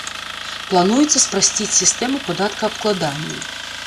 Плануецца спрасціць сістэму падаткаабкладання.